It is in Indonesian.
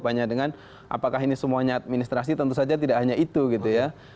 hanya dengan apakah ini semuanya administrasi tentu saja tidak hanya itu gitu ya